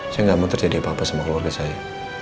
saya nggak mau terjadi apa apa sama keluarga saya